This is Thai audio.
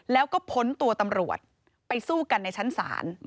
แล้วก็พ้นตัวตำรวจไปสู้กันในชั้นศาล